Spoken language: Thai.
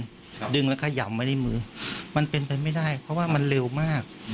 ครับดึงแล้วขยำไว้ในมือมันเป็นไปไม่ได้เพราะว่ามันเร็วมาก